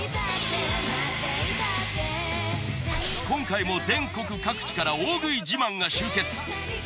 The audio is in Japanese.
今回も全国各地から大食い自慢が集結。